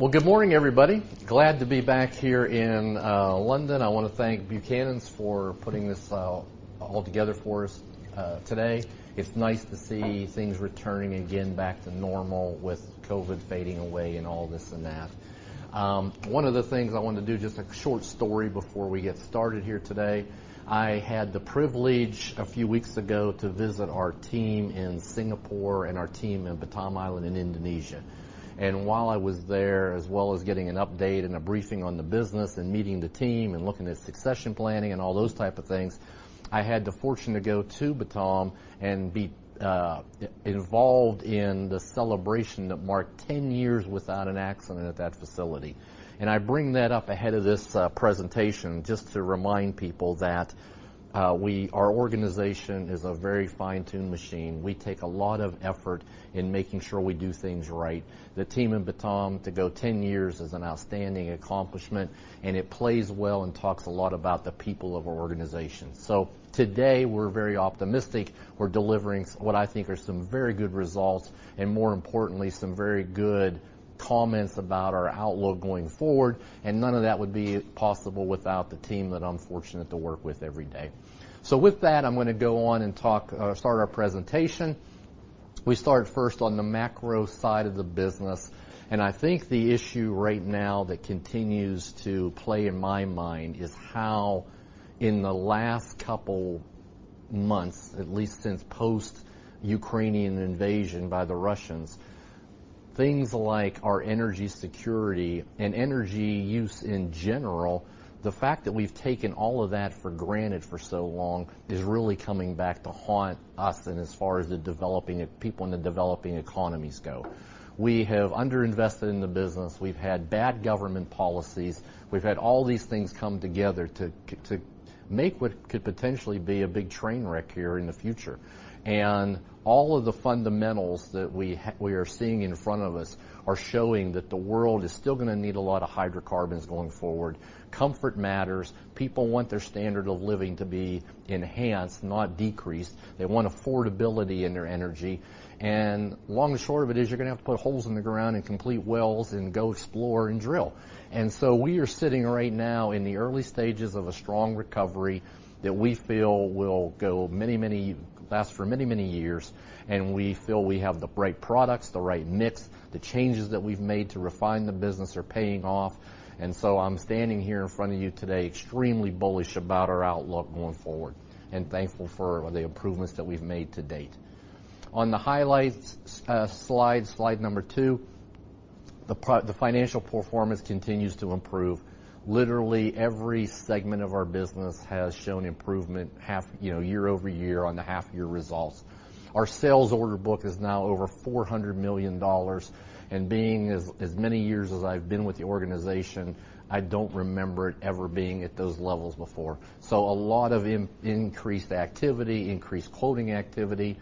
Well, good morning, everybody. Glad to be back here in London. I wanna thank Buchanan's for putting this all together for us today. It's nice to see things returning again back to normal with COVID fading away and all this and that. One of the things I want to do, just a short story before we get started here today. I had the privilege a few weeks ago to visit our team in Singapore and our team in Batam Island in Indonesia. While I was there, as well as getting an update and a briefing on the business and meeting the team and looking at succession planning and all those type of things, I had the fortune to go to Batam and be involved in the celebration that marked 10 years without an accident at that facility. I bring that up ahead of this presentation just to remind people that our organization is a very fine-tuned machine. We take a lot of effort in making sure we do things right. The team in Batam to go 10 years is an outstanding accomplishment, and it plays well and talks a lot about the people of our organization. Today, we're very optimistic. We're delivering what I think are some very good results, and more importantly, some very good comments about our outlook going forward. None of that would be possible without the team that I'm fortunate to work with every day. With that, I'm gonna go on and talk or start our presentation. We start first on the macro side of the business, and I think the issue right now that continues to play in my mind is how in the last couple months, at least since post-Ukrainian invasion by the Russians, things like our energy security and energy use in general, the fact that we've taken all of that for granted for so long is really coming back to haunt us, and as far as people in the developing economies go. We have underinvested in the business. We've had bad government policies. We've had all these things come together to make what could potentially be a big train wreck here in the future. All of the fundamentals that we are seeing in front of us are showing that the world is still gonna need a lot of hydrocarbons going forward. Comfort matters. People want their standard of living to be enhanced, not decreased. They want affordability in their energy. Long and short of it is you're gonna have to put holes in the ground and complete wells and go explore and drill. We are sitting right now in the early stages of a strong recovery that we feel will last for many, many years, and we feel we have the right products, the right mix. The changes that we've made to refine the business are paying off. I'm standing here in front of you today extremely bullish about our outlook going forward and thankful for the improvements that we've made to date. On the highlights slide number two, the financial performance continues to improve. Literally, every segment of our business has shown improvement half-year, you know, year-over-year on the half-year results. Our sales order book is now over $400 million, and being as many years as I've been with the organization, I don't remember it ever being at those levels before. A lot of increased activity, increased quoting activity.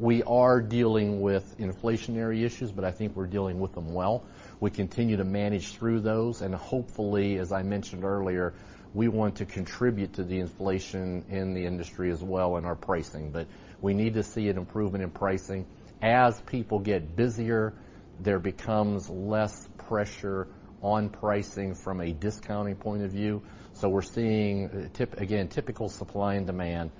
We are dealing with inflationary issues, but I think we're dealing with them well. We continue to manage through those, and hopefully, as I mentioned earlier, we want to contribute to the inflation in the industry as well in our pricing. We need to see an improvement in pricing. As people get busier, there becomes less pressure on pricing from a discounting point of view. We're seeing again, typical supply and demand.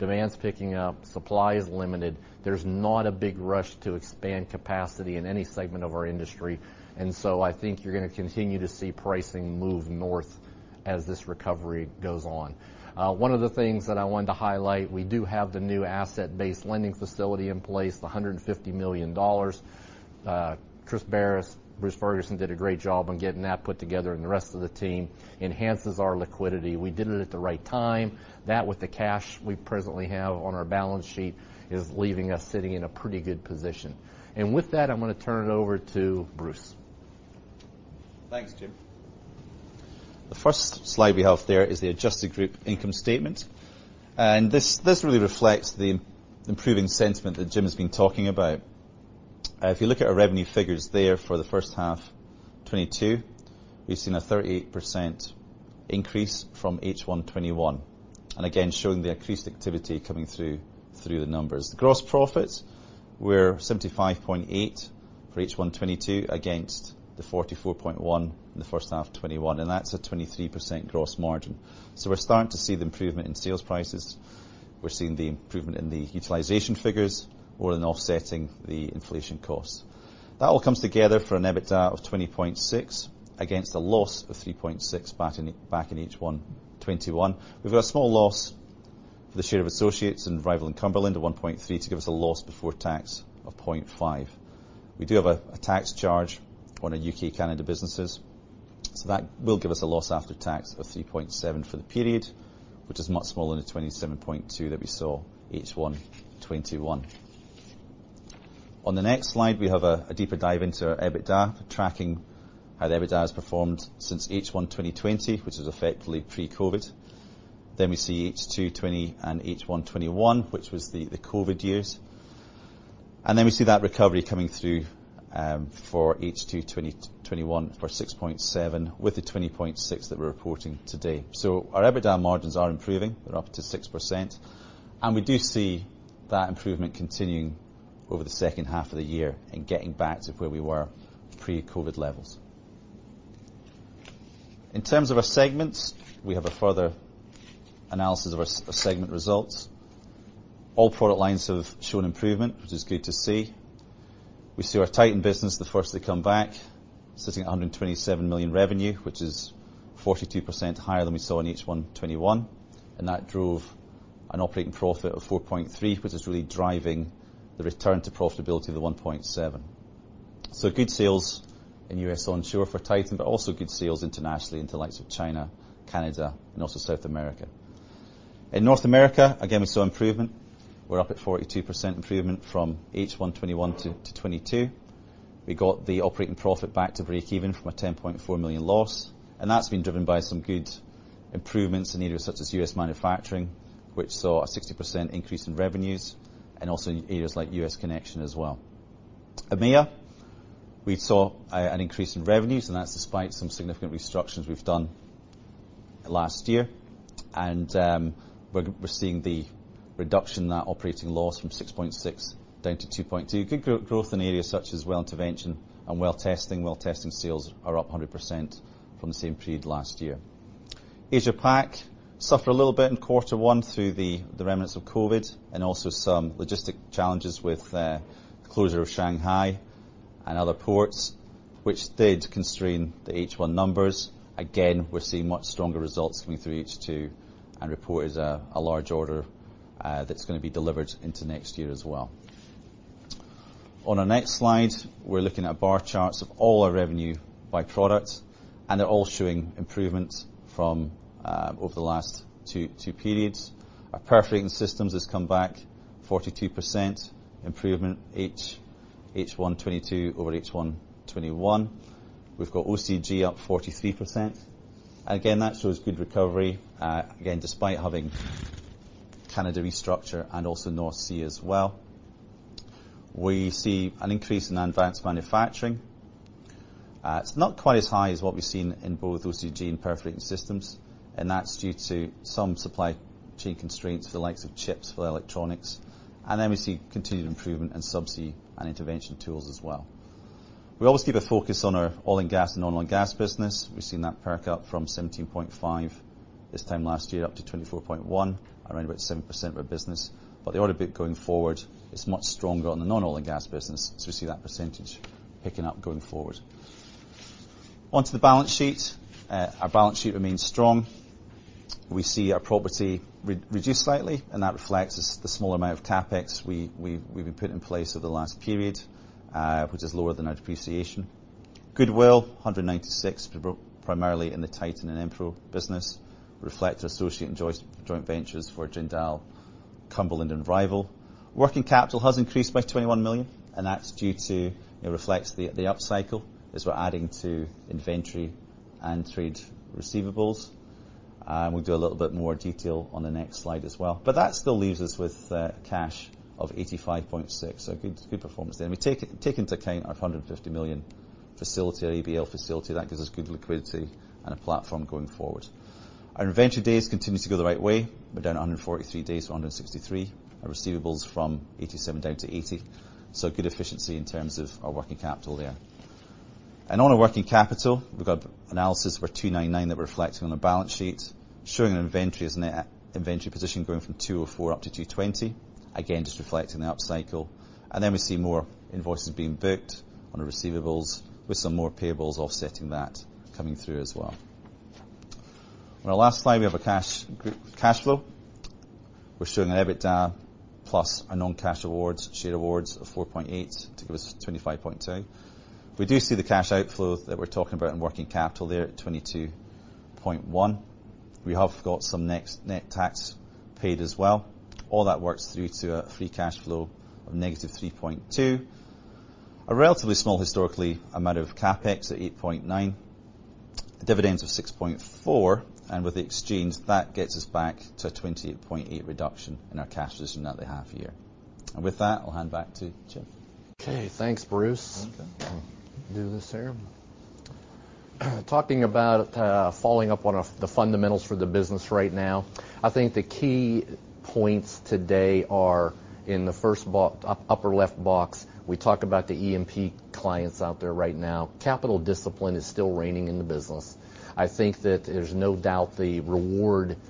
Demand's picking up. Supply is limited. There's not a big rush to expand capacity in any segment of our industry. I think you're gonna continue to see pricing move north as this recovery goes on. One of the things that I wanted to highlight, we do have the new asset-based lending facility in place, the $150 million. [Chris Baris], Bruce Ferguson did a great job on getting that put together, and the rest of the team enhances our liquidity. We did it at the right time. That with the cash we presently have on our balance sheet is leaving us sitting in a pretty good position. With that, I'm gonna turn it over to Bruce. Thanks, Jim. The first slide we have there is the adjusted group income statement, and this really reflects the improving sentiment that Jim has been talking about. If you look at our revenue figures there for the first half 2022, we've seen a 38% increase from H1 2021, and again, showing the increased activity coming through the numbers. The gross profits were $75.8 million for H1 2022 against the $44.1 million in the first half of 2021, and that's a 23% gross margin. We're starting to see the improvement in sales prices. We're seeing the improvement in the utilization figures more than offsetting the inflation costs. That all comes together for an EBITDA of $20.6 million against a loss of $3.6 million back in H1 2021. We've got a small loss for the share of associates in Rival and Cumberland of $1.3 million to give us a loss before tax of $0.5 million. We do have a tax charge on our U.K./Canada businesses, so that will give us a loss after tax of $3.7 million for the period, which is much smaller than the $27.2 million that we saw H1 2021. On the next slide, we have a deeper dive into our EBITDA, tracking how the EBITDA has performed since H1 2020, which is effectively pre-COVID. We see H2 2020 and H1 2021, which was the COVID years. We see that recovery coming through for H2 2021 for $6.7 million with the $20.6 million that we're reporting today. Our EBITDA margins are improving. They're up to 6%. We do see that improvement continuing over the second half of the year and getting back to where we were pre-COVID levels. In terms of our segments, we have a further analysis of our segment results. All product lines have shown improvement, which is good to see. We see our Titan business, the first to come back, sitting at $127 million revenue, which is 42% higher than we saw in H1 2021, and that drove an operating profit of $4.3 million, which is really driving the return to profitability to $1.7 million. Good sales in U.S. onshore for Titan, but also good sales internationally in the likes of China, Canada, and also South America. In North America, again, we saw improvement. We're up at 42% improvement from H1 2021 to 2022. We got the operating profit back to breakeven from a $10.4 million loss, and that's been driven by some good improvements in areas such as U.S. manufacturing, which saw a 60% increase in revenues, and also in areas like U.S. connection as well. EMEA, we saw an increase in revenues, and that's despite some significant restructures we've done last year, and we're seeing the reduction in that operating loss from $6.6 million to $2.2 million. Good growth in areas such as well intervention and well testing. Well testing sales are up 100% from the same period last year. Asia Pac suffered a little bit in quarter one through the remnants of COVID and also some logistics challenges with the closure of Shanghai and other ports, which did constrain the H1 numbers. Again, we're seeing much stronger results coming through H2 and reported a large order that's gonna be delivered into next year as well. On our next slide, we're looking at bar charts of all our revenue by product, and they're all showing improvement from over the last two periods. Our Perforating Systems has come back 42% improvement, H1 2022 over H1 2021. We've got OCTG up 43%. Again, that shows good recovery, again, despite having Canada restructure and also North Sea as well. We see an increase in Advanced Manufacturing. It's not quite as high as what we've seen in both OCTG and Perforating Systems, and that's due to some supply chain constraints, the likes of chips for the electronics. And then we see continued improvement in subsea and intervention tools as well. We always keep a focus on our oil and gas and non-oil and gas business. We've seen that perk up from $17.5 million this time last year up to $24.1 million, around about 7% of our business. The order book going forward is much stronger on the non-oil and gas business, so we see that percentage picking up going forward. Onto the balance sheet. Our balance sheet remains strong. We see our property reduced slightly, and that reflects the small amount of CapEx we've been putting in place over the last period, which is lower than our depreciation. Goodwill, $196 million, primarily in the Titan and Enpro business, reflect our associate and joint ventures for Jindal, Cumberland, and Rival. Working capital has increased by $21 million, and that's due to it reflects the upcycle as we're adding to inventory and trade receivables. We'll do a little bit more detail on the next slide as well. That still leaves us with cash of $85.6 million, so good performance there. We take into account our $150 million facility, our ABL facility. That gives us good liquidity and a platform going forward. Our inventory days continue to go the right way. We're down 143 days from 163. Our receivables from 87 down to 80, so good efficiency in terms of our working capital there. On our working capital, we've got analysis of our $299 million that we're reflecting on our balance sheet, showing our inventory as net inventory position going from $204 million up to $220 million. Again, just reflecting the upcycle. Then we see more invoices being booked on our receivables with some more payables offsetting that coming through as well. On our last slide, we have our cash flow. We're showing an EBITDA plus our non-cash awards, share awards of $4.8 million to give us $25.2 million. We do see the cash outflow that we're talking about in working capital there at $22.1 million. We have got some net tax paid as well. All that works through to a free cash flow of -$3.2 million. A relatively small historically amount of CapEx at $8.9 million. Dividends of $6.4 million, and with the exchange, that gets us back to a $20.8 million reduction in our cash position that half year. With that, I'll hand back to Jim. Okay, thanks, Bruce. Do this here. Talking about following up on the fundamentals for the business right now, I think the key points today are in the first upper left box. We talked about the E&P clients out there right now. Capital discipline is still reining in the business. I think that there's no doubt the return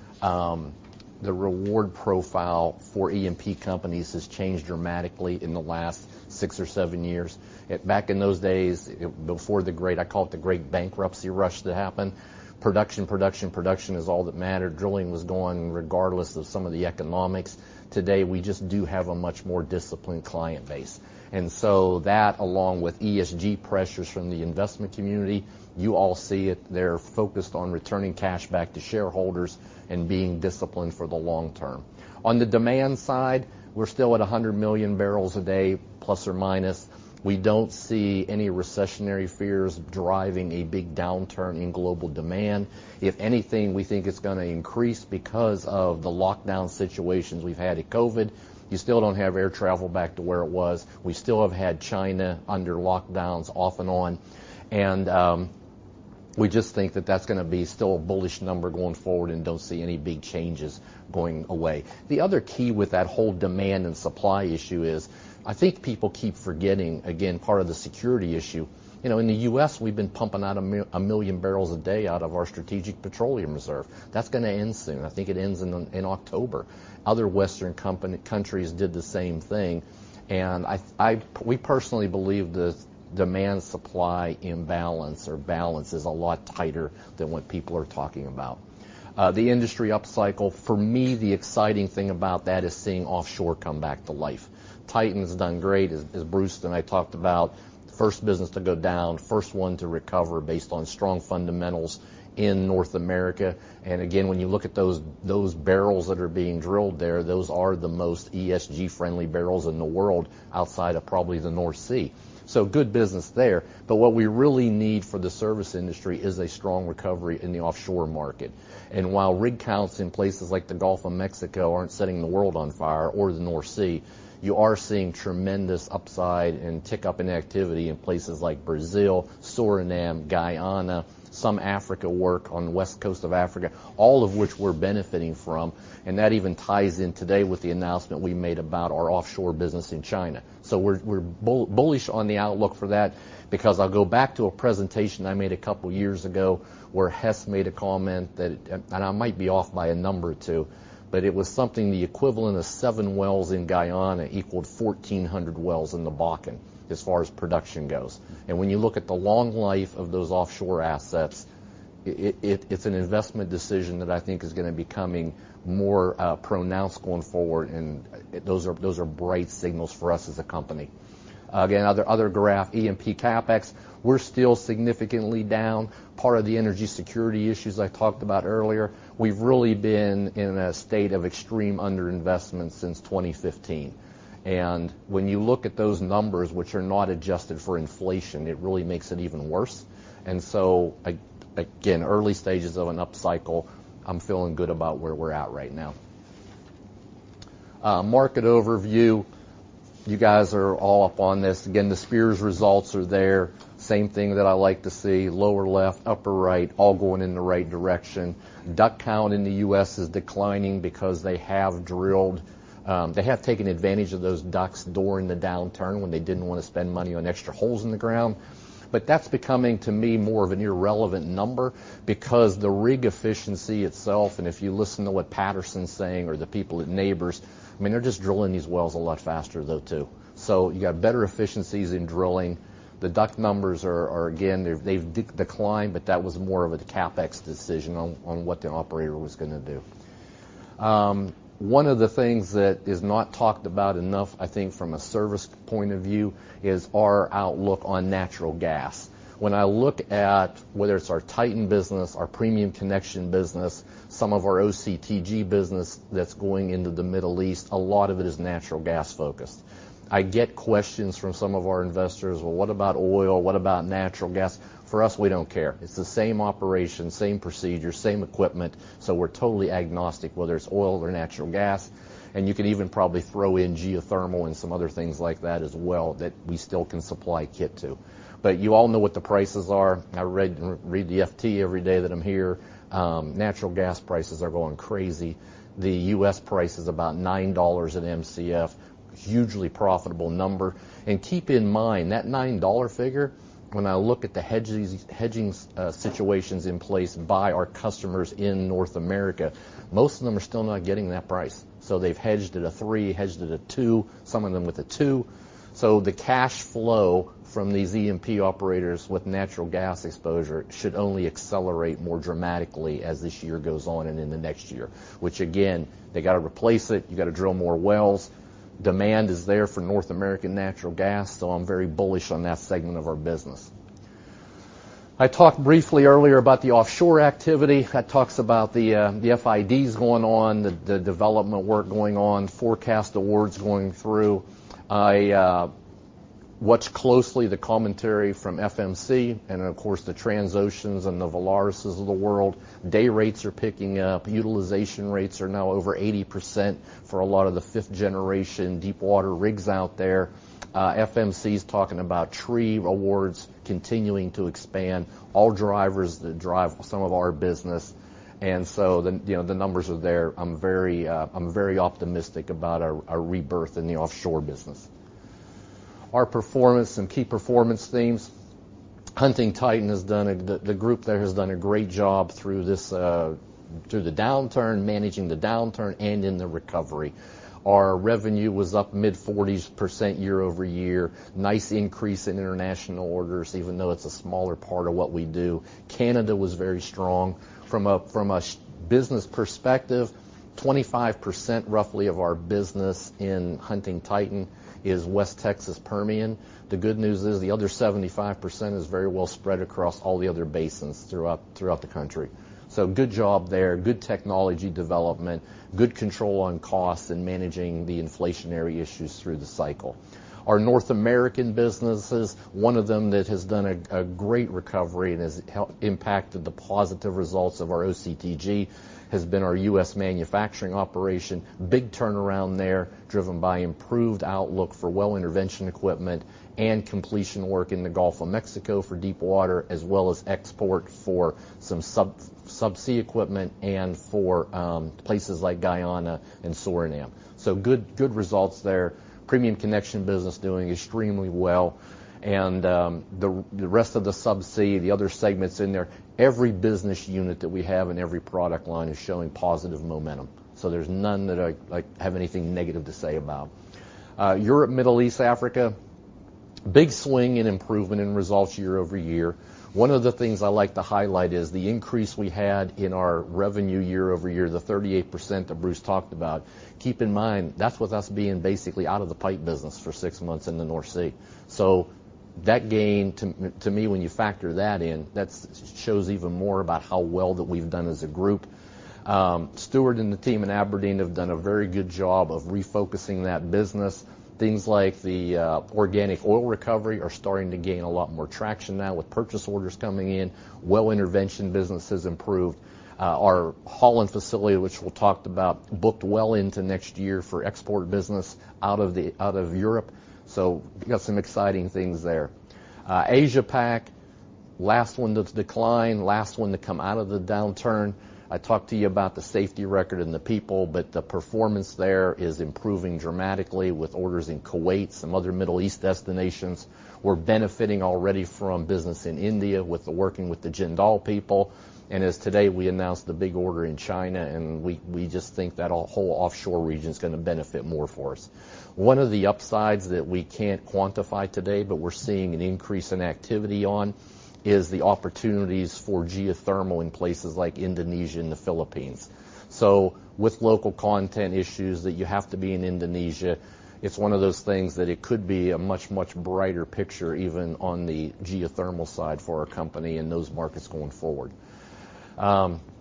profile for E&P companies has changed dramatically in the last six or seven years. Back in those days, before the great, I call it the great bankruptcy rush that happened, production is all that mattered. Drilling was going regardless of some of the economics. Today, we just do have a much more disciplined client base. That along with ESG pressures from the investment community, you all see it. They're focused on returning cash back to shareholders and being disciplined for the long term. On the demand side, we're still at 100 MMbpd±, we don't see any recessionary fears driving a big downturn in global demand. If anything, we think it's gonna increase because of the lockdown situations we've had with COVID. You still don't have air travel back to where it was. We still have had China under lockdowns off and on. We just think that that's gonna be still a bullish number going forward and don't see any big changes going away. The other key with that whole demand and supply issue is, I think people keep forgetting, again, part of the security issue. You know, in the U.S., we've been pumping out 1 MMbpd out of our strategic petroleum reserve. That's gonna end soon. I think it ends in October. Other Western countries did the same thing. We personally believe the demand-supply imbalance or balance is a lot tighter than what people are talking about. The industry upcycle, for me, the exciting thing about that is seeing offshore come back to life. Titan's done great. As Bruce and I talked about, first business to go down, first one to recover based on strong fundamentals in North America. When you look at those barrels that are being drilled there, those are the most ESG-friendly barrels in the world outside of probably the North Sea. Good business there, but what we really need for the service industry is a strong recovery in the offshore market. While rig counts in places like the Gulf of Mexico aren't setting the world on fire, or the North Sea, you are seeing tremendous upside and tick up in activity in places like Brazil, Suriname, Guyana, some Africa work on the west coast of Africa, all of which we're benefiting from, and that even ties in today with the announcement we made about our offshore business in China. We're bullish on the outlook for that because I'll go back to a presentation I made a couple years ago where Hess made a comment that, and I might be off by a number or two, but it was something the equivalent of seven wells in Guyana equaled 1,400 wells in the Bakken as far as production goes. When you look at the long life of those offshore assets, it's an investment decision that I think is gonna be becoming more pronounced going forward, and those are bright signals for us as a company. Other graph, E&P CapEx, we're still significantly down. Part of the energy security issues I talked about earlier. We've really been in a state of extreme underinvestment since 2015. When you look at those numbers, which are not adjusted for inflation, it really makes it even worse. Early stages of an upcycle, I'm feeling good about where we're at right now. Market overview, you guys are all up on this. Again, the [Spears] results are there. Same thing that I like to see, lower left, upper right, all going in the right direction. DUC count in the U.S. is declining because they have drilled. They have taken advantage of those DUCs during the downturn when they didn't wanna spend money on extra holes in the ground. That's becoming, to me, more of an irrelevant number because the rig efficiency itself, and if you listen to what Patterson's saying or the people at Nabors, I mean, they're just drilling these wells a lot faster though, too. You got better efficiencies in drilling. The DUC numbers are again, they've declined, but that was more of a CapEx decision on what the operator was gonna do. One of the things that is not talked about enough, I think from a service point of view, is our outlook on natural gas. When I look at whether it's our Titan business, our premium connection business, some of our OCTG business that's going into the Middle East, a lot of it is natural gas focused. I get questions from some of our investors, "Well, what about oil? What about natural gas?" For us, we don't care. It's the same operation, same procedure, same equipment, so we're totally agnostic, whether it's oil or natural gas. You can even probably throw in geothermal and some other things like that as well that we still can supply kit to. You all know what the prices are. I read the FT every day that I'm here. Natural gas prices are going crazy. The U.S. price is about $9 an Mcf, hugely profitable number. Keep in mind, that $9 figure, when I look at the hedging situations in place by our customers in North America, most of them are still not getting that price. So they've hedged at a $3, hedged at a $2, some of them with a $2. So the cash flow from these E&P operators with natural gas exposure should only accelerate more dramatically as this year goes on and in the next year, which again, they gotta replace it. You gotta drill more wells. Demand is there for North American natural gas, so I'm very bullish on that segment of our business. I talked briefly earlier about the offshore activity. That talks about the FIDs going on, the development work going on, forecast awards going through. I watch closely the commentary from FMC and of course, the Transocean and the Valaris of the world. Day rates are picking up. Utilization rates are now over 80% for a lot of the 5th generation deepwater rigs out there. FMC is talking about tree awards continuing to expand, all drivers that drive some of our business. You know, the numbers are there. I'm very, I'm very optimistic about a rebirth in the offshore business. Our performance and key performance themes. Hunting Titan, the group there, has done a great job through the downturn, managing the downturn and in the recovery. Our revenue was up mid-forties percent year-over-year. Nice increase in international orders, even though it's a smaller part of what we do. Canada was very strong. From a business perspective, 25% roughly of our business in Hunting Titan is West Texas Permian. The good news is the other 75% is very well spread across all the other basins throughout the country. Good job there, good technology development, good control on costs and managing the inflationary issues through the cycle. Our North American businesses, one of them that has done a great recovery and has impacted the positive results of our OCTG has been our U.S. manufacturing operation. Big turnaround there, driven by improved outlook for well intervention equipment. Completion work in the Gulf of Mexico for deepwater, as well as export for some subsea equipment and for places like Guyana and Suriname. Good results there. Premium connection business doing extremely well. The rest of the subsea, the other segments in there, every business unit that we have and every product line is showing positive momentum. There's none that I, like, have anything negative to say about. Europe, Middle East, Africa, big swing in improvement in results year-over-year. One of the things I like to highlight is the increase we had in our revenue year-over-year, the 38% that Bruce talked about. Keep in mind, that's with us being basically out of the pipe business for six months in the North Sea. That gain, to me, when you factor that in, that's, shows even more about how well that we've done as a group. Stuart and the team in Aberdeen have done a very good job of refocusing that business. Things like the, Organic Oil Recovery are starting to gain a lot more traction now with purchase orders coming in. Well intervention business has improved. Our Holland facility, which we talked about, booked well into next year for export business out of Europe. We got some exciting things there. Asia Pac, last one to decline, last one to come out of the downturn. I talked to you about the safety record and the people, but the performance there is improving dramatically with orders in Kuwait, some other Middle East destinations. We're benefiting already from business in India with working with the Jindal people. As today, we announced the big order in China, and we just think that whole offshore region is gonna benefit more for us. One of the upsides that we can't quantify today but we're seeing an increase in activity on is the opportunities for geothermal in places like Indonesia and the Philippines. With local content issues that you have to be in Indonesia, it's one of those things that it could be a much, much brighter picture even on the geothermal side for our company and those markets going forward.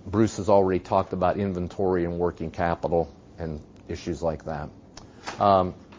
Bruce has already talked about inventory and working capital and issues like that.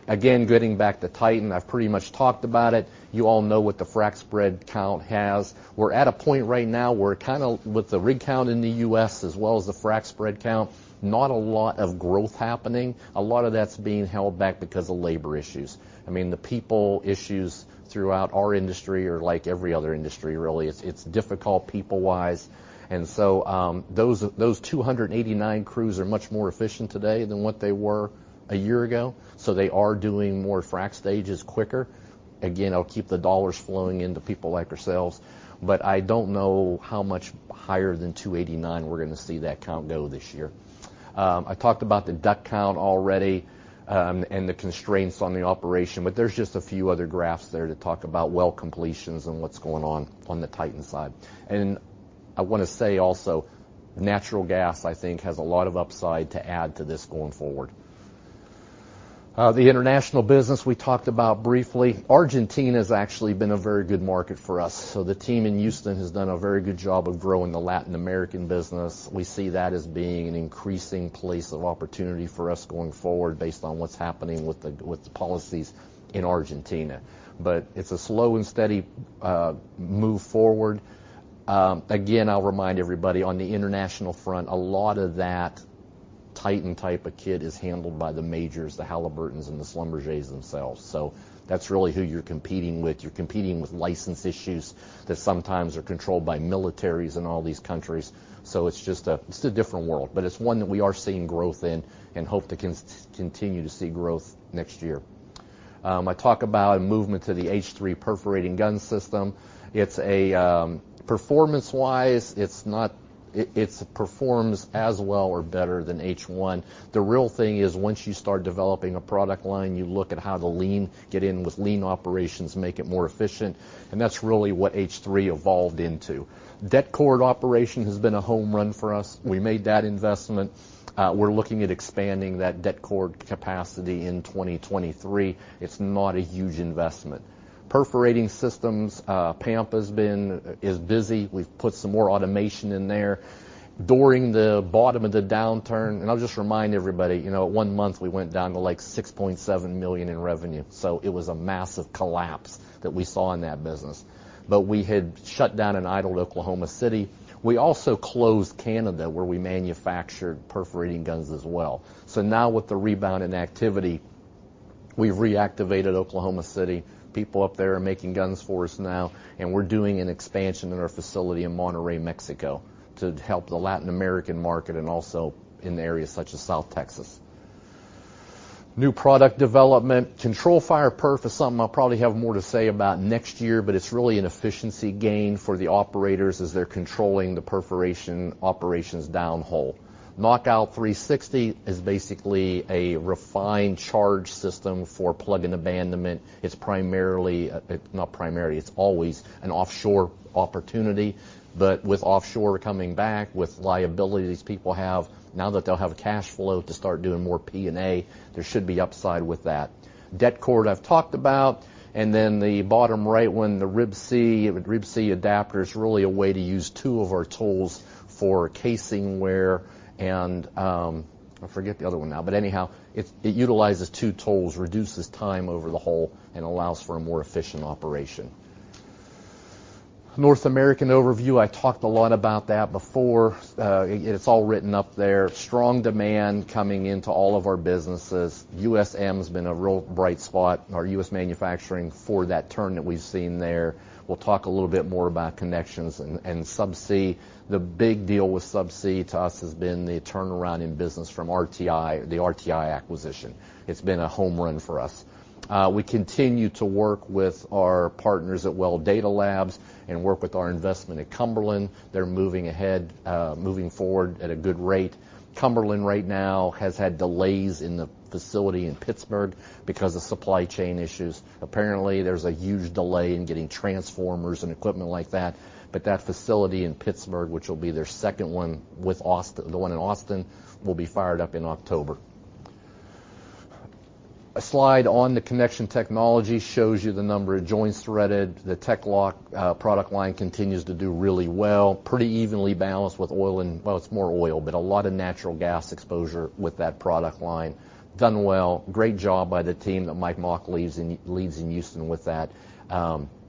Again, getting back to Titan, I've pretty much talked about it. You all know what the frac spread count has. We're at a point right now where kinda with the rig count in the U.S. as well as the frac spread count, not a lot of growth happening. A lot of that's being held back because of labor issues. I mean, the people issues throughout our industry are like every other industry really. It's difficult people-wise. Those 289 crews are much more efficient today than what they were a year ago, so they are doing more frac stages quicker. Again, it'll keep the dollars flowing into people like ourselves, but I don't know how much higher than 289 we're gonna see that count go this year. I talked about the DUC count already, and the constraints on the operation, but there's just a few other graphs there to talk about well completions and what's going on on the Titan side. I wanna say also, natural gas, I think, has a lot of upside to add to this going forward. The international business we talked about briefly. Argentina has actually been a very good market for us. The team in Houston has done a very good job of growing the Latin American business. We see that as being an increasing place of opportunity for us going forward based on what's happening with the policies in Argentina. It's a slow and steady move forward. Again, I'll remind everybody on the international front, a lot of that Titan type of kit is handled by the majors, the Halliburtons and the Schlumbergers themselves. That's really who you're competing with. You're competing with license issues that sometimes are controlled by militaries in all these countries. It's just a different world, but it's one that we are seeing growth in and hope to continue to see growth next year. I talk about a movement to the H3 perforating gun system. It's a, performance-wise, it performs as well or better than H1. The real thing is once you start developing a product line, you look at how to lean, get in with lean operations, make it more efficient, and that's really what H3 evolved into. Det-Cord operation has been a home run for us. We made that investment. We're looking at expanding that Det-Cord capacity in 2023. It's not a huge investment. Perforating systems, Pampa is busy. We've put some more automation in there. During the bottom of the downturn, and I'll just remind everybody, you know, at one month, we went down to, like, $6.7 million in revenue, so it was a massive collapse that we saw in that business. We had shut down and idled Oklahoma City. We also closed Canada, where we manufactured perforating guns as well. Now with the rebound in activity, we've reactivated Oklahoma City. People up there are making guns for us now, and we're doing an expansion in our facility in Monterrey, Mexico, to help the Latin American market and also in areas such as South Texas. New product development. ControlFire Perf is something I'll probably have more to say about next year, but it's really an efficiency gain for the operators as they're controlling the perforation operations down hole. KnockOut 360 is basically a refined charge system for plug and abandonment. It's always an offshore opportunity. With offshore coming back, with liability these people have, now that they'll have cash flow to start doing more P&A, there should be upside with that. Det-Cord I've talked about. The bottom right one, the [Rib-Sea] Adapter, is really a way to use two of our tools for casing wear and, I forget the other one now. But anyhow, it utilizes two tools, reduces time over the hole, and allows for a more efficient operation. North American overview, I talked a lot about that before. It's all written up there. Strong demand coming into all of our businesses. U.S.M has been a real bright spot, our U.S. manufacturing for that turn that we've seen there. We'll talk a little bit more about connections and subsea. The big deal with subsea to us has been the turnaround in business from RTI, the RTI acquisition. It's been a home run for us. We continue to work with our partners at Well Data Labs and work with our investment at Cumberland. They're moving ahead, moving forward at a good rate. Cumberland right now has had delays in the facility in Pittsburgh because of supply chain issues. Apparently, there's a huge delay in getting transformers and equipment like that. That facility in Pittsburgh, which will be their second one, the one in Austin, will be fired up in October. A slide on the connection technology shows you the number of joints threaded. The TEC-LOCK product line continues to do really well, pretty evenly balanced with oil and well, it's more oil, but a lot of natural gas exposure with that product line. Done well. Great job by the team that Mike Mock leads in Houston with that.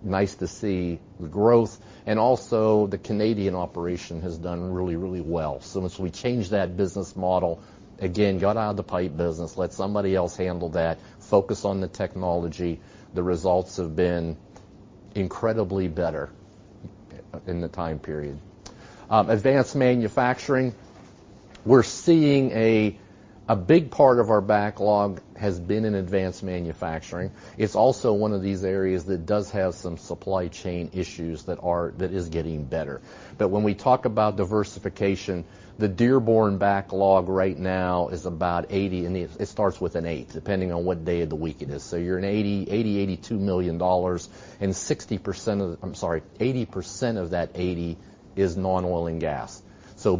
Nice to see the growth. Also, the Canadian operation has done really, really well. As we changed that business model, again, got out of the pipe business, let somebody else handle that, focus on the technology, the results have been incredibly better in the time period. Advanced Manufacturing, we're seeing a big part of our backlog has been in Advanced Manufacturing. It's also one of these areas that does have some supply chain issues that is getting better. When we talk about diversification, the Dearborn backlog right now is about $80 million, and it starts with an eight, depending on what day of the week it is. You're in $80 million-$82 million, and 60% of the... I'm sorry, 80% of that $80 million is non-oil and gas.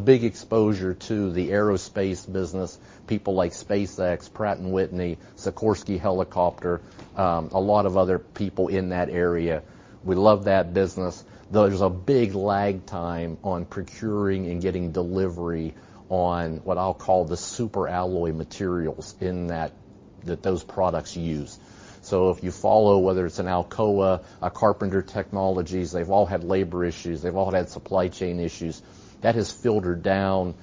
Big exposure to the aerospace business, people like SpaceX, Pratt & Whitney, Sikorsky Helicopter, a lot of other people in that area. We love that business, though there's a big lag time on procuring and getting delivery on what I'll call the super alloy materials in that those products use. If you follow, whether it's an Alcoa, Carpenter Technology, they've all had labor issues, they've all had supply chain issues. That has filtered down,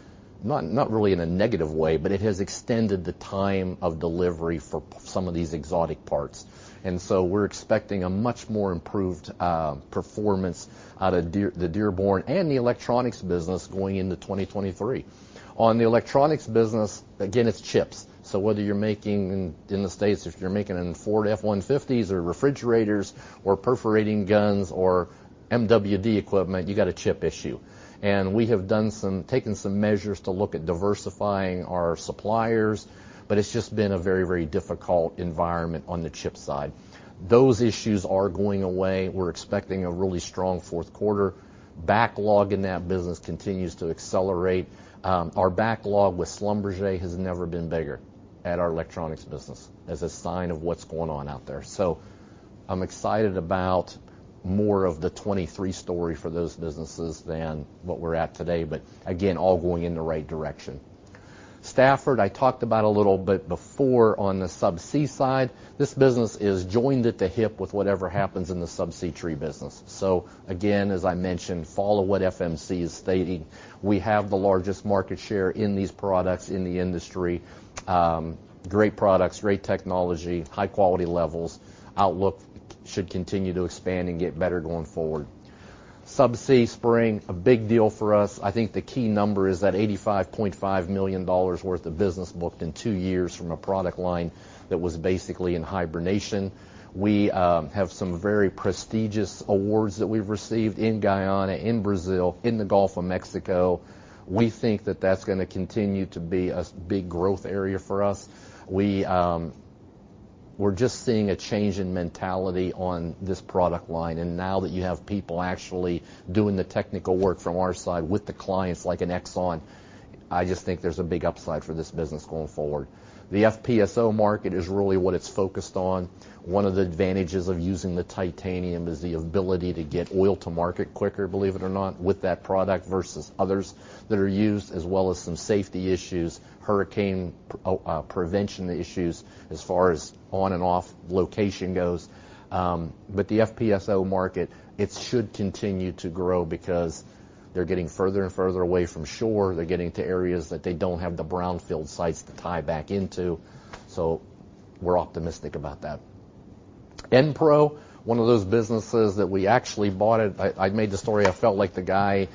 not really in a negative way, but it has extended the time of delivery for some of these exotic parts. We're expecting a much more improved performance out of Dearborn and the electronics business going into 2023. On the electronics business, again, it's chips. Whether you're making in the States if you're making them Ford F-150s or refrigerators or perforating guns or MWD equipment, you got a chip issue. We have taken some measures to look at diversifying our suppliers, but it's just been a very, very difficult environment on the chip side. Those issues are going away. We're expecting a really strong fourth quarter. Backlog in that business continues to accelerate. Our backlog with Schlumberger has never been bigger at our electronics business as a sign of what's going on out there. I'm excited about more of the 2023 story for those businesses than what we're at today. Again, all going in the right direction. Stafford, I talked about a little bit before on the subsea side. This business is joined at the hip with whatever happens in the subsea tree business. Again, as I mentioned, follow what FMC is stating. We have the largest market share in these products in the industry. Great products, great technology, high quality levels. Outlook should continue to expand and get better going forward. Subsea spring, a big deal for us. I think the key number is that $85.5 million worth of business booked in two years from a product line that was basically in hibernation. We have some very prestigious awards that we've received in Guyana, in Brazil, in the Gulf of Mexico. We think that that's gonna continue to be a big growth area for us. We're just seeing a change in mentality on this product line. Now that you have people actually doing the technical work from our side with the clients, like Exxon, I just think there's a big upside for this business going forward. The FPSO market is really what it's focused on. One of the advantages of using the titanium is the ability to get oil to market quicker, believe it or not, with that product versus others that are used, as well as some safety issues, hurricane prevention issues as far as on and off location goes. The FPSO market, it should continue to grow because they're getting further and further away from shore. They're getting to areas that they don't have the brownfield sites to tie back into. We're optimistic about that. Enpro, one of those businesses that we actually bought at. I made the story, I felt like the guy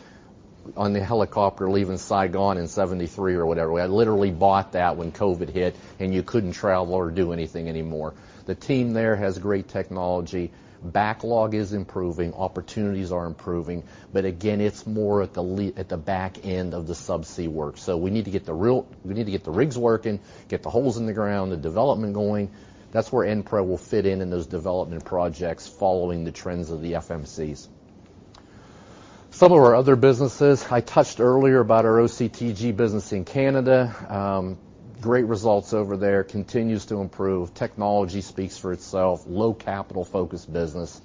on the helicopter leaving Saigon in 1973 or whatever. I literally bought that when COVID hit, and you couldn't travel or do anything anymore. The team there has great technology. Backlog is improving, opportunities are improving, but again, it's more at the back end of the subsea work. We need to get the rigs working, get the holes in the ground, the development going. That's where Enpro will fit in in those development projects following the trends of the FMC's. Some of our other businesses, I touched earlier about our OCTG business in Canada. Great results over there. Continues to improve. Technology speaks for itself. Low capital focused business.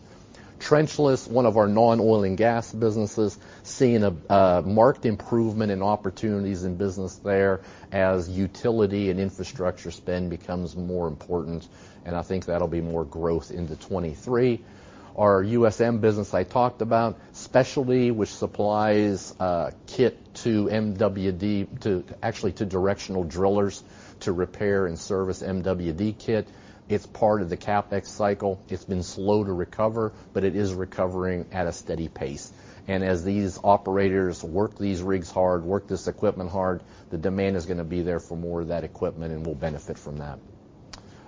Trenchless, one of our non-oil and gas businesses, seeing a marked improvement in opportunities in business there as utility and infrastructure spend becomes more important, and I think that'll be more growth into 2023. Our U.S. M business I talked about. Specialty, which supplies kit to MWD actually to directional drillers to repair and service MWD kit. It's part of the CapEx cycle. It's been slow to recover, but it is recovering at a steady pace. As these operators work these rigs hard, work this equipment hard, the demand is gonna be there for more of that equipment, and we'll benefit from that.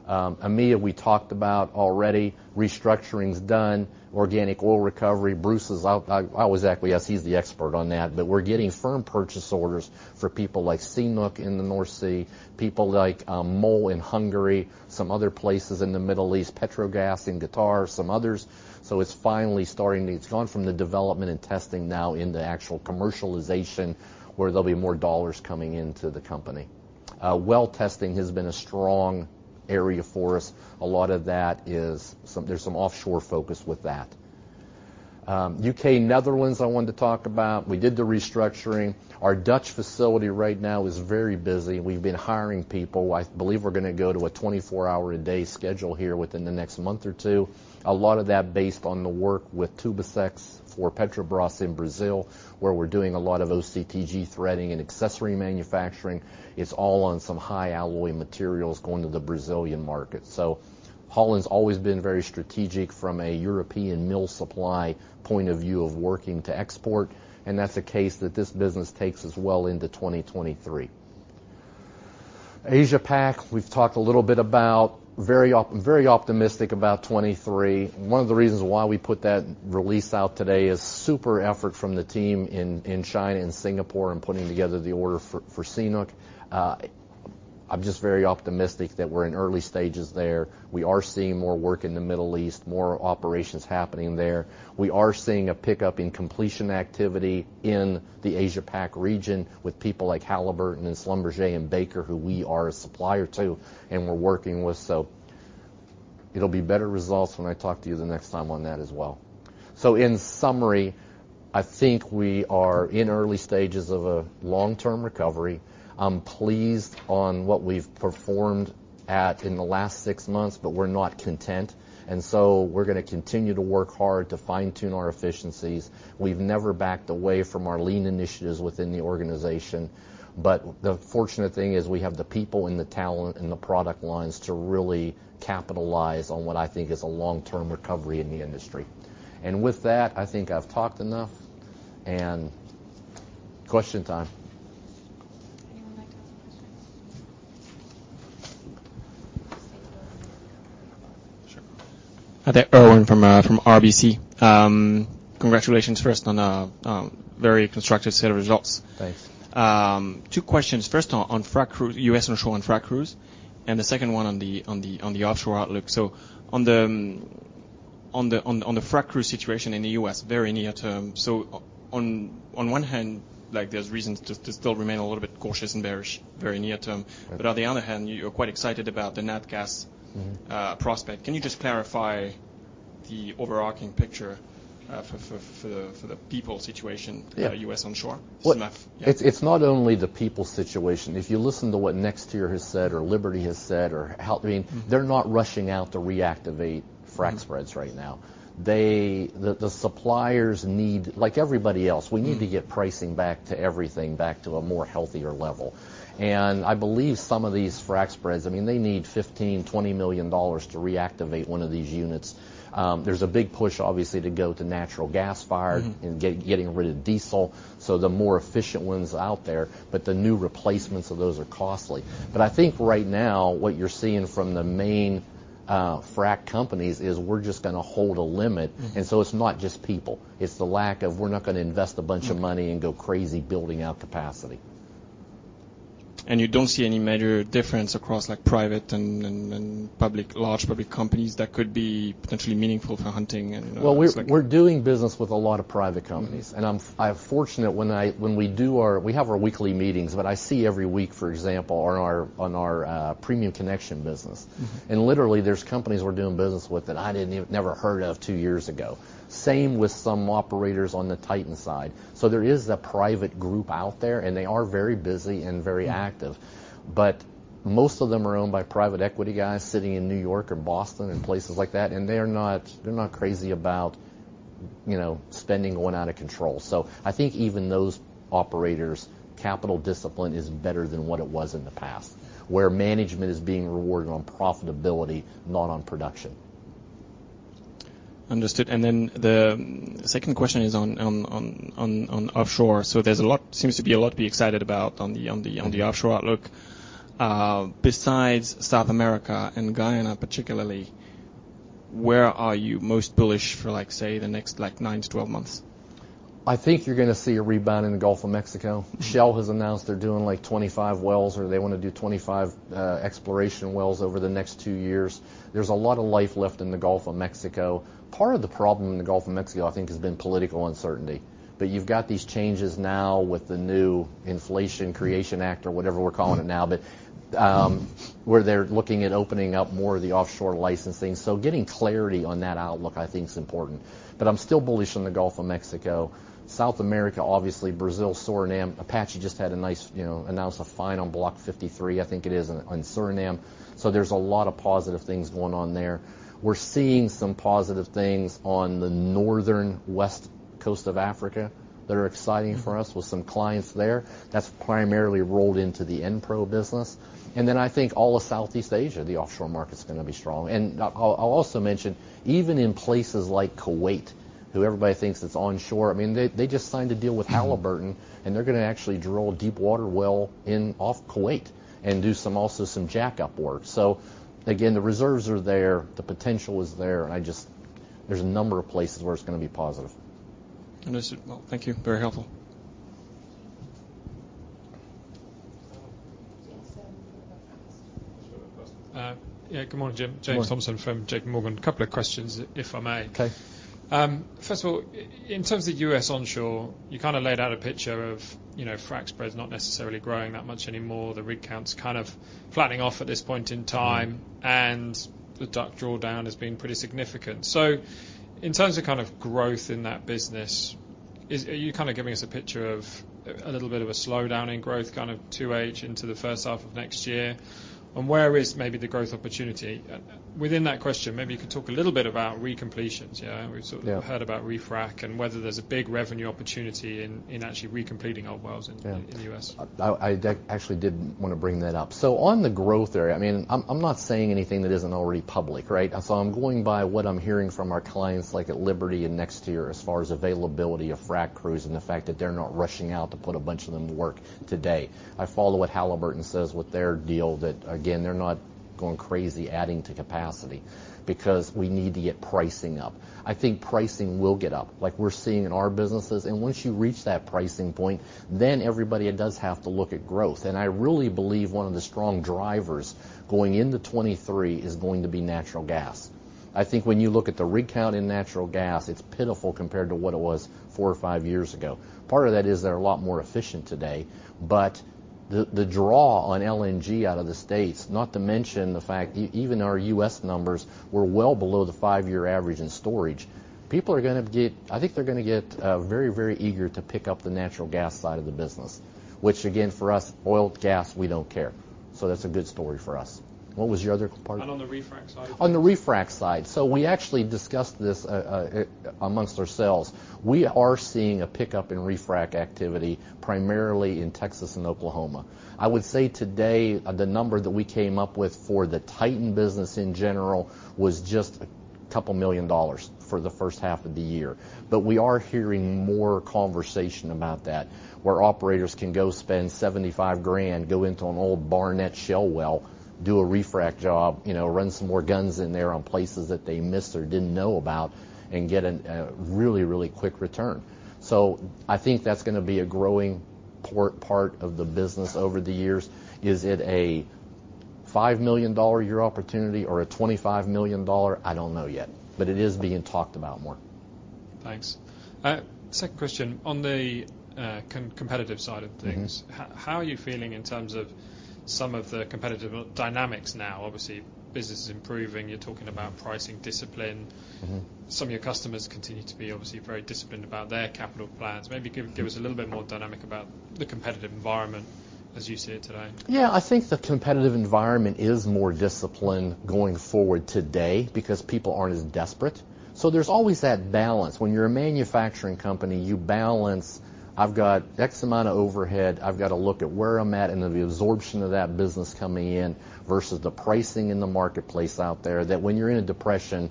EMEA we talked about already. Restructuring's done. Organic Oil Recovery, Bruce is out. I was actually gonna say he's the expert on that. We're getting firm purchase orders for people like CNOOC in the North Sea, people like MOL in Hungary, some other places in the Middle East, Petrogas in Qatar, some others. It's gone from the development and testing now into actual commercialization, where there'll be more dollars coming into the company. Well testing has been a strong area for us. There's some offshore focus with that. U.K. and Netherlands I wanted to talk about. We did the restructuring. Our Dutch facility right now is very busy. We've been hiring people. I believe we're gonna go to a 24-hour-a-day schedule here within the next month or two. A lot of that based on the work with Tubacex for Petrobras in Brazil, where we're doing a lot of OCTG threading and accessory manufacturing. It's all on some high alloy materials going to the Brazilian market. Holland's always been very strategic from a European mill supply point of view of working to export, and that's the case that this business takes us well into 2023. Asia Pac, we've talked a little bit about. Very optimistic about 2023. One of the reasons why we put that release out today is super effort from the team in China and Singapore in putting together the order for CNOOC. I'm just very optimistic that we're in early stages there. We are seeing more work in the Middle East, more operations happening there. We are seeing a pickup in completion activity in the Asia Pac region with people like Halliburton and Schlumberger and Baker, who we are a supplier to and we're working with. It'll be better results when I talk to you the next time on that as well. In summary, I think we are in early stages of a long-term recovery. I'm pleased on what we've performed at in the last six months, but we're not content. We're gonna continue to work hard to fine-tune our efficiencies. We've never backed away from our lean initiatives within the organization. The fortunate thing is we have the people and the talent and the product lines to really capitalize on what I think is a long-term recovery in the industry. With that, I think I've talked enough. Question time. Anyone like to ask questions? Hi there. Erwin from RBC. Congratulations first on very constructive set of results. Thanks. Two questions. First on frac crew, U.S. onshore and frac crews, and the second one on the offshore outlook. On the frac crew situation in the U.S., very near term, on one hand, like, there's reasons to still remain a little bit cautious and bearish very near term. On the other hand, you're quite excited about the nat-gas prospect. Can you just clarify the overarching picture, for the people situation, U.S. onshore? Well, it's not only the people situation. If you listen to what NexTier has said or Liberty has said, I mean, they're not rushing out to reactivate frac spreads right now. The suppliers need, like everybody else, we need to get pricing back to everything, back to a more healthier level. I believe some of these frac spreads, I mean, they need $15 million-$20 million to reactivate one of these units. There's a big push obviously to go to natural gas fire and getting rid of diesel, so the more efficient ones out there, but the new replacements of those are costly. I think right now what you're seeing from the main frac companies is we're just gonna hold a limit. It's not just people. We're not gonna invest a bunch of money and go crazy building out capacity. You don't see any major difference across, like, private and public, large public companies that could be potentially meaningful for Hunting? Well, we're doing business with a lot of private companies. I'm fortunate when we have our weekly meetings, but I see every week, for example, on our premium connection business. Literally, there's companies we're doing business with that I never heard of two years ago. Same with some operators on the Titan side. There is a private group out there, and they are very busy and very active. Most of them are owned by private equity guys sitting in New York or Boston and places like that, and they're not crazy about, you know, spending, going out of control. I think even those operators, capital discipline is better than what it was in the past, where management is being rewarded on profitability, not on production. Understood. The second question is on offshore. There's a lot, seems to be a lot to be excited about on the offshore outlook. Besides South America and Guyana particularly, where are you most bullish for, like, say, the next, like, nine to 12 months? I think you're gonna see a rebound in the Gulf of Mexico. Shell has announced they're doing, like, 25 wells, or they wanna do 25, exploration wells over the next two years. There's a lot of life left in the Gulf of Mexico. Part of the problem in the Gulf of Mexico I think has been political uncertainty. You've got these changes now with the new Inflation Reduction Act or whatever we're calling it now. Where they're looking at opening up more of the offshore licensing. Getting clarity on that outlook, I think is important. I'm still bullish on the Gulf of Mexico. South America, obviously Brazil, Suriname. Apache just had a nice, you know, announced a final Block 53, I think it is, on Suriname. There's a lot of positive things going on there. We're seeing some positive things on the northwest coast of Africa that are exciting for us with some clients there. That's primarily rolled into the Enpro business. I think all of Southeast Asia, the offshore market's gonna be strong. I'll also mention, even in places like Kuwait, who everybody thinks it's onshore, I mean, they just signed a deal with Halliburton, and they're gonna actually drill a deepwater well off Kuwait and do some also some jackup work. Again, the reserves are there, the potential is there. There's a number of places where it's gonna be positive. Understood. Well, thank you. Very helpful. James Thompson from JPMorgan. A couple of questions, if I may. Okay. First of all, in terms of the U.S. onshore, you kinda laid out a picture of, you know, frac spreads not necessarily growing that much anymore, the rig count's kind of flattening off at this point in time. The DUC drawdown has been pretty significant. In terms of kind of growth in that business, are you kinda giving us a picture of a little bit of a slowdown in growth, kind of 2H into the first half of next year? Where is maybe the growth opportunity? Within that question, maybe you could talk a little bit about recompletions, yeah? We've sort of heard about refrac and whether there's a big revenue opportunity in actually recompleting old wells in the U.S. I actually did wanna bring that up. On the growth area, I mean, I'm not saying anything that isn't already public, right? I'm going by what I'm hearing from our clients like at Liberty and NexTier as far as availability of frac crews, and the fact that they're not rushing out to put a bunch of them to work today. I follow what Halliburton says with their deal that, again, they're not going crazy adding to capacity because we need to get pricing up. I think pricing will get up, like we're seeing in our businesses. Once you reach that pricing point, then everybody does have to look at growth. I really believe one of the strong drivers going into 2023 is going to be natural gas. I think when you look at the rig count in natural gas, it's pitiful compared to what it was four or five years ago. Part of that is they're a lot more efficient today. The draw on LNG out of the States, not to mention the fact even our U.S. numbers were well below the five-year average in storage. I think they're gonna get very, very eager to pick up the natural gas side of the business, which again, for us, oil, gas, we don't care. That's a good story for us. What was your other part? On the refrac side. On the refrac side. We actually discussed this, among ourselves. We are seeing a pickup in refrac activity, primarily in Texas and Oklahoma. I would say today, the number that we came up with for the Titan business in general was just a couple million dollars for the first half of the year. We are hearing more conversation about that, where operators can go spend $75,000, go into an old Barnett Shale well, do a refrac job, you know, run some more guns in there on places that they missed or didn't know about, and get a really quick return. I think that's gonna be a growing part of the business over the years. Is it a $5 million a year opportunity or a $25 million? I don't know yet, but it is being talked about more. Thanks. Second question. On the competitive side of things, how are you feeling in terms of some of the competitive dynamics now? Obviously, business is improving. You're talking about pricing discipline. Some of your customers continue to be obviously very disciplined about their capital plans. Maybe give us a little bit more dynamic about the competitive environment as you see it today. Yeah. I think the competitive environment is more disciplined going forward today because people aren't as desperate. There's always that balance. When you're a manufacturing company, you balance. I've got X amount of overhead. I've got to look at where I'm at and the absorption of that business coming in versus the pricing in the marketplace out there. That, when you're in a depression,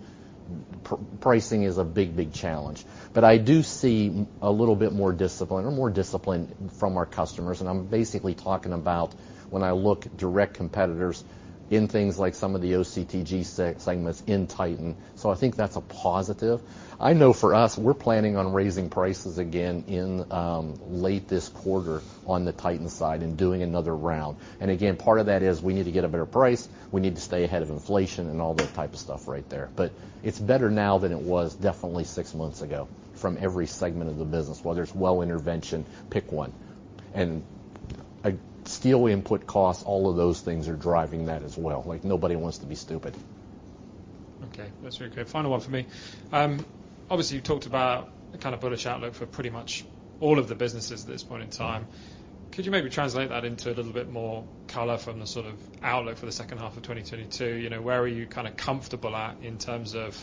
pricing is a big challenge. I do see a little bit more discipline or more discipline from our customers, and I'm basically talking about when I look at direct competitors in things like some of the OCTG segments in Titan. I think that's a positive. I know for us, we're planning on raising prices again in late this quarter on the Titan side and doing another round. Again, part of that is we need to get a better price, we need to stay ahead of inflation and all that type of stuff right there. It's better now than it was definitely six months ago from every segment of the business, whether it's well intervention, pick one. Steel input costs, all of those things are driving that as well. Like, nobody wants to be stupid. Okay. That's very clear. Final one from me. Obviously you've talked about a kind of bullish outlook for pretty much all of the businesses at this point in time. Could you maybe translate that into a little bit more color from the sort of outlook for the second half of 2022? You know, where are you kinda comfortable at in terms of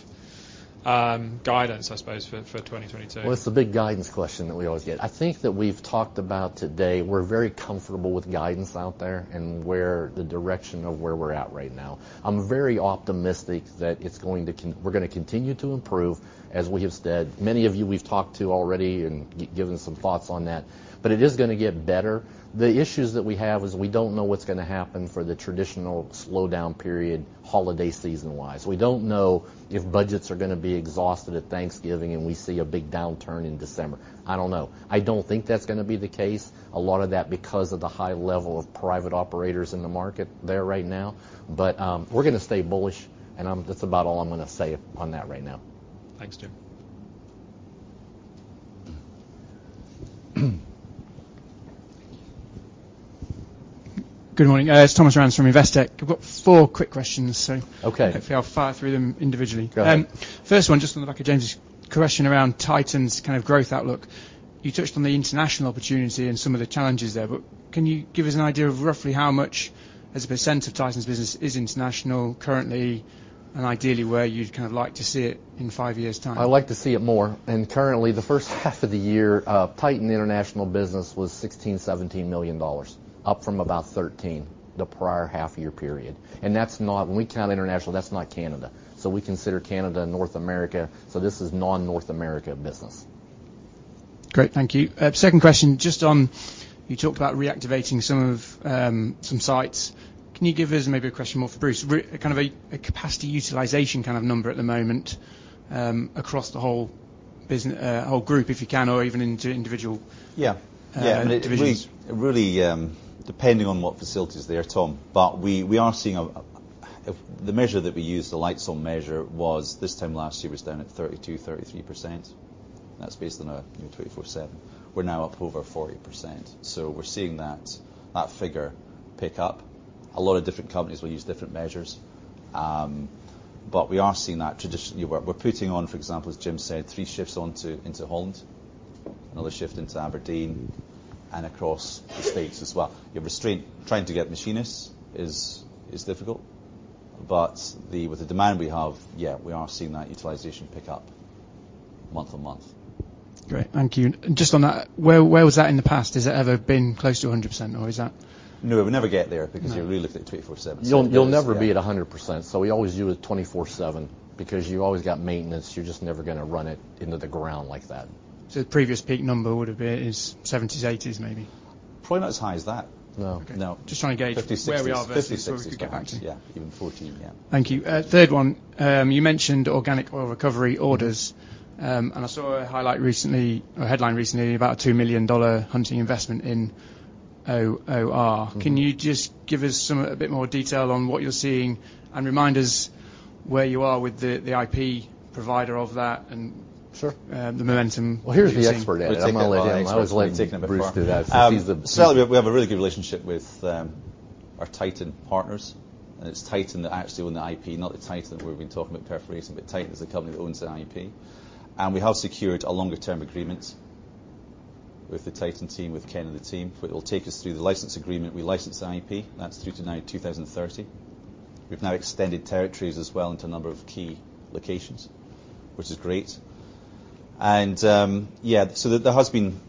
guidance, I suppose, for 2022? Well, that's the big guidance question that we always get. I think that we've talked about today we're very comfortable with guidance out there and where the direction of where we're at right now. I'm very optimistic that we're gonna continue to improve, as we have said. Many of you we've talked to already and given some thoughts on that, but it is gonna get better. The issues that we have is we don't know what's gonna happen for the traditional slowdown period holiday season-wise. We don't know if budgets are gonna be exhausted at Thanksgiving, and we see a big downturn in December. I don't know. I don't think that's gonna be the case, a lot of that because of the high level of private operators in the market there right now. We're gonna stay bullish, and that's about all I'm gonna say on that right now. Thanks, Jim. Good morning. It's Thomas Rance from Investec. I've got four quick questions. Okay. Hopefully I'll fire through them individually. Go ahead. First one, just on the back of James' question around Titan's kind of growth outlook. You touched on the international opportunity and some of the challenges there, but can you give us an idea of roughly how much as a percent of Titan's business is international currently, and ideally where you'd kind of like to see it in five years' time? I'd like to see it more. Currently, the first half of the year, Titan international business was $16 million-$17 million, up from about $13 million the prior half year period. That's not. When we count international, that's not Canada. We consider Canada North America, so this is non-North America business. Great. Thank you. Second question, just on you talked about reactivating some of, some sites. Can you give us, maybe a question more for Bruce, kind of a capacity utilization kind of number at the moment, across the whole group, if you can, or even into individual divisions. Yeah. It really depending on what facilities they are, Tom. We are seeing, the measure that we use, the lights on measure, was this time last year down at 32%-33%. That's based on a 24/7. We're now up over 40%. We're seeing that figure pick up. A lot of different companies will use different measures. We are seeing. We're putting on, for example, as Jim said, three shifts into Holland, another shift into Aberdeen and across the States as well. Trying to get machinists is difficult, but with the demand we have, yeah, we are seeing that utilization pick up month-on-month. Great. Thank you. Just on that, where was that in the past? Has it ever been close to 100%, or is that? No, it would never get there because you're really looking at 24/7. You'll never be at 100%, so we always do a 24/7 because you've always got maintenance. You're just never gonna run it into the ground like that. The previous peak number would have been 70%s, 80%s maybe? Probably not as high as that. No. No. Okay. Just trying to gauge. 50%, 60% is where we are versus where we could get back to. Even 40%, yeah. Thank you. Third one. You mentioned Organic Oil Recovery orders. I saw a highlight recently, or a headline recently about a $2 million Hunting investment in OOR. Can you just give us some, a bit more detail on what you're seeing and remind us where you are with the IP provider of that and the momentum that you're seeing. Well, here's the expert in it. I'm gonna let him. I was letting Bruce do that because he's the- Well, take that. I'll take that one. We have a really good relationship with our Titan partners, and it's Titan that actually own the IP. Not the Titan that we've been talking about perforating, but Titan is the company that owns the IP. We have secured a longer-term agreement with the Titan team, with Ken and the team, that will take us through the license agreement. We licensed the IP. That's through to now 2030. We've now extended territories as well into a number of key locations, which is great. Yeah. There has been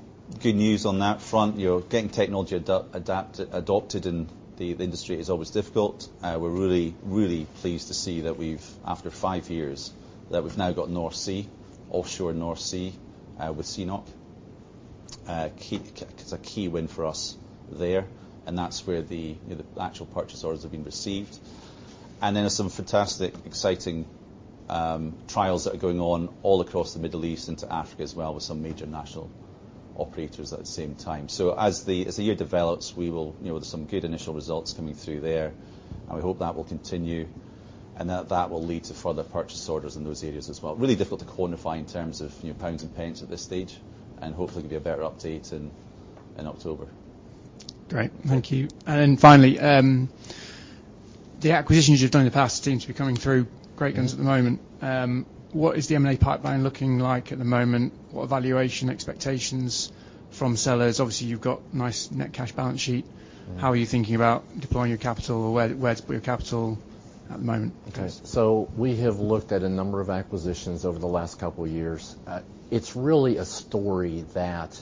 good news on that front. You know, getting technology adopted in the industry is always difficult. We're really pleased to see that after five years we've now got North Sea, offshore North Sea, with CNOOC. It's a key win for us there, and that's where the, you know, the actual purchase orders have been received. Then there's some fantastic, exciting trials that are going on all across the Middle East into Africa as well with some major national operators at the same time. As the year develops, we will, you know, there's some good initial results coming through there, and we hope that will continue, and that that will lead to further purchase orders in those areas as well. Really difficult to quantify in terms of, you know, pounds and pence at this stage, and hopefully give you a better update in October. Great. Thank you. Finally, the acquisitions you've done in the past seem to be coming through great guns at the moment. What is the M&A pipeline looking like at the moment? What valuation expectations from sellers? Obviously, you've got nice net cash balance sheet. How are you thinking about deploying your capital or where to put your capital at the moment? Okay. We have looked at a number of acquisitions over the last couple of years. It's really a story that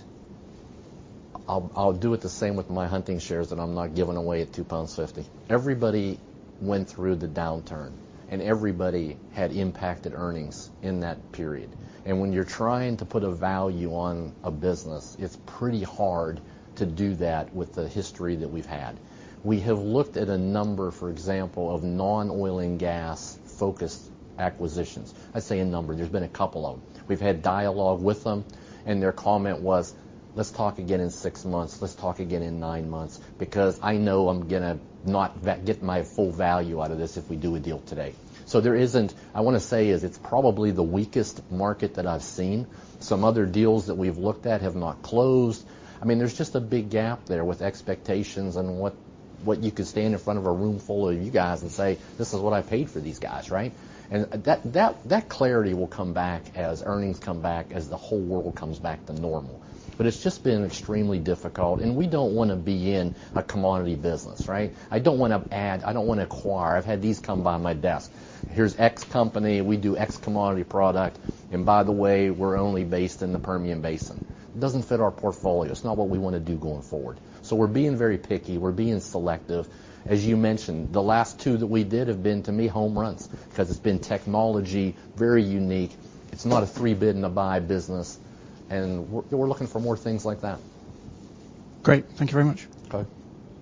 I'll do it the same with my Hunting shares that I'm not giving away at 2.50 pounds. Everybody went through the downturn, and everybody had impacted earnings in that period. When you're trying to put a value on a business, it's pretty hard to do that with the history that we've had. We have looked at a number, for example, of non-oil and gas-focused acquisitions. I say a number. There's been a couple of them. We've had dialogue with them, and their comment was, "Let's talk again in six months. Let's talk again in nine months because I know I'm gonna not get my full value out of this if we do a deal today." There isn't. I wanna say is, it's probably the weakest market that I've seen. Some other deals that we've looked at have not closed. I mean, there's just a big gap there with expectations on what you could stand in front of a room full of you guys and say, "This is what I paid for these guys." Right? That clarity will come back as earnings come back, as the whole world comes back to normal. It's just been extremely difficult, and we don't wanna be in a commodity business, right? I don't wanna add. I don't wanna acquire. I've had these come by my desk. "Here's X company. We do X commodity product. And by the way, we're only based in the Permian Basin." It doesn't fit our portfolio. It's not what we wanna do going forward. We're being very picky. We're being selective. As you mentioned, the last two that we did have been, to me, home runs 'cause it's been technology, very unique. It's not a three bid and a buy business, and we're looking for more things like that. Great. Thank you very much. Okay.